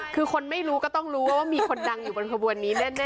คือคนไม่รู้ก็ต้องรู้ว่ามีคนดังอยู่บนขบวนนี้แน่